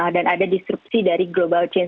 ada disrupsi dari global chain